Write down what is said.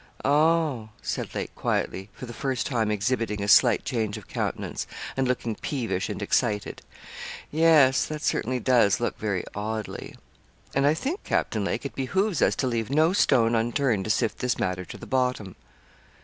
'Oh!' said Lake, quietly, for the first time exhibiting a slight change of countenance, and looking peevish and excited; yes, that certainly does look very oddly.' 'And I think, Captain Lake, it behoves us to leave no stone unturned to sift this matter to the bottom.'